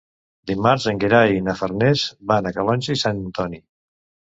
Dimarts en Gerai i na Farners van a Calonge i Sant Antoni.